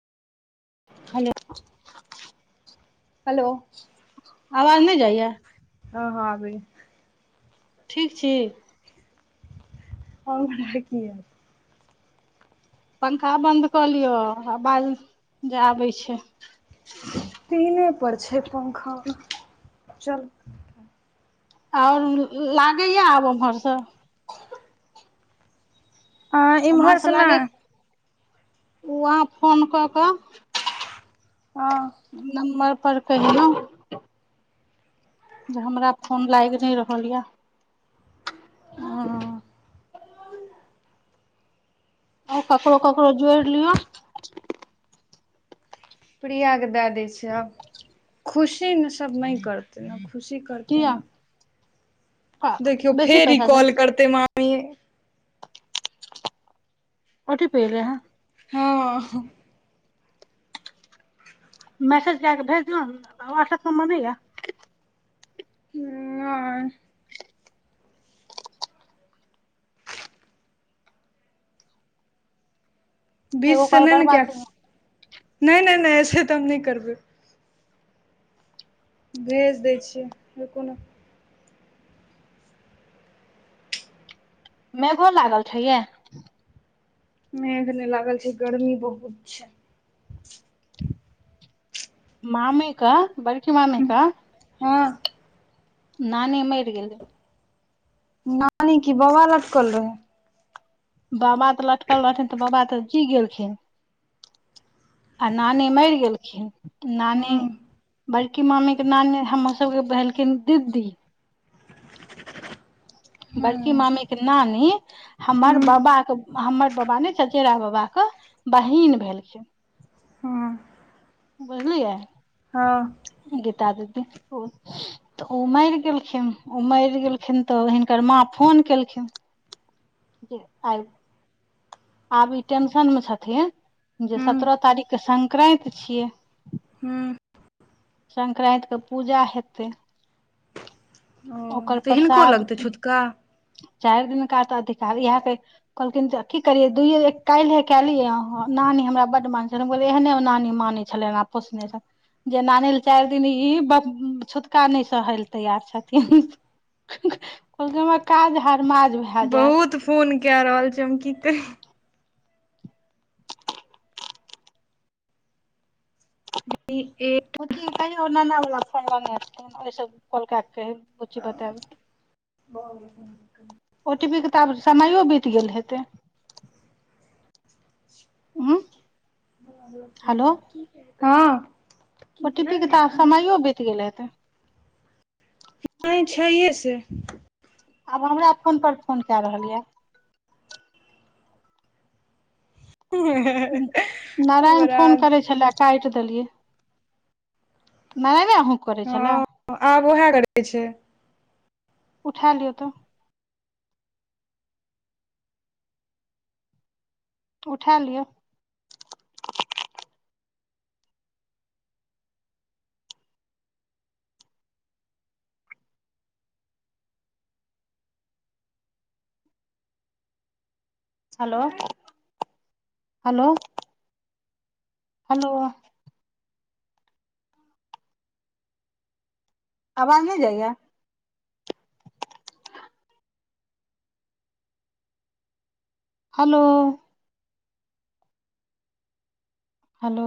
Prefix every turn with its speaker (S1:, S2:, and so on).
S1: hello
S2: [unintelligible] आवाज नै जाइय
S1: ह ह आबै छै
S2: ठीक छी
S1: [unintelligible]
S2: पंखा बन्द कऽ लिअ हवा जे आबै छै
S1: तीने पर छै पंखा [inaudible] चल
S2: और लागै यऽ आब उम्हर सँ
S1: हँ
S2: उमहर
S1: इम्हर
S2: स
S1: से
S2: लागै
S1: नहि
S2: [inaudible] ओ अहाँ फोन कऽ कऽ [inaudible]
S1: हँ
S2: नम्बर पर कहियो जे हमरा फोन लैग नै रहल यऽ
S1: [unintelligible]
S2: और ककड़ो ककड़ो जोईर लिअ
S1: प्रिये केँ दैय दै छै आब [inaudible] खुशी सब नै करतै ने खुशी करतै
S2: किया
S1: न देखियौ
S2: बेसी
S1: फेर ई
S2: पैसा छै
S1: कॉल करते माँ
S2: [inaudible] कथी पे एले ह
S1: हँ
S2: मैसेज कैय कऽ भेज दियौ व्हाट्सएप सब में नै यऽ
S1: हू नै बीच
S2: एगो
S1: से
S2: कॉल
S1: नै न
S2: बर्बाद
S1: केँ
S2: केलहुँ
S1: [inaudible] नै नै नै से तऽ हम नै करबै भेज दै छियै रूकू न
S2: मेघो लागल छै ये
S1: मेघ नै लागल छै गर्मी बहुत छै
S2: मामी कऽ बड़की मामी कऽ
S1: हँ
S2: नानी मइर गेलय
S1: नानी कि बाबा लटकल रहेै
S2: बाबा तऽ लटकल रहथिन तऽ बाबा तऽ की गेलखिन [inaudible] आ नानी मैर गेलखिन
S1: ओ
S2: नानी [inaudible] बड़की मामी केँ नानी हमर सब केँ भेलखिन दीदी
S1: [unintelligible]
S2: बड़की मामी केँ नानी हमर बाबा कऽ हमर बाबा नै चचेरा बाबा कऽ बहिन भेलखिन
S1: हू
S2: बुझलियै
S1: हऽ
S2: गीता दतै ओ तऽ उ मैर गेलखिन उ मैर गेलखिन तऽ हिनकर माँ फोन केलखिन जे आइ आब ई टेंशन में छथिन जे सतरह तारीख केँ संकरैत छियै
S1: हूँ
S2: संकरैत कऽ पुजा हेतै [inaudible]
S1: ओ तऽ हिनको लगतै छुतका
S2: चाइर दिनकनका तऽ अधिकार इहै कैह कहलखिन ज कि करे दुये बेर कायलेह कय लिए अहाँ नानी हमरा बड मान छल ते हम बोल्लिये एहने नानी मानै छले आप पोसने रहै जेय नानी ले चार दिन ई बप छुतका नय सहय लऽ तैयार छथिन कहलकै हमरा काज हरमाज भै
S1: बहुत फोन कैय रहल छै हम की कही [inaudible]
S2: पुकी कहयौ नाना बला फोन लावने छै ओय से कॉल केय कऽ कैह बुच्ची बताएबे ओ टी पी केँ तऽ आब समयो बीत गेल हेतै [unintelligible] हेलो
S1: हँ
S2: ओ टी पी केँ तऽ आब समयो बीत गेल हेतै
S1: नय छैय हे से
S2: आब हमरा फोन पर फोन कैय रहल यऽ
S1: [unintelligible]
S2: नारायण फोन करै छलैह काएट देलियै नय - नय आहुक करय छेलैय
S1: हँ आब उएह करै छै
S2: उठा लियो तऽ उठा लियै हलो - हलो हलो अबाज नय जाइ य हलो हलो